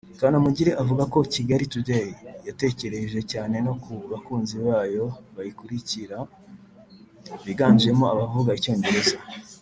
Kanamugire avuga ko Kigali Today yatekereje cyane no ku bakunzi bayo bayikurikira biganjemo abavuga Icyongereza